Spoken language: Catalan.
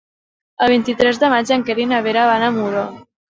El vint-i-tres de maig en Quer i na Vera van a Muro.